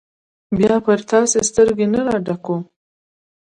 بیا پرې تاسې سترګې نه راډکوم.